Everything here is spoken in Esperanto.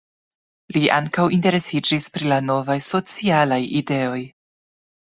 Li ankaŭ interesiĝis pri la novaj socialaj ideoj.